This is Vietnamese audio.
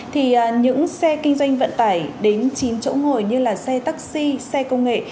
thì những xe kinh doanh vận tải đến chín chỗ ngồi như là xe taxi xe công nghệ